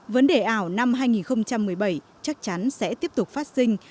vấn đề ảo năm hai nghìn một mươi bảy chắc chắn sẽ tiếp tục phát sinh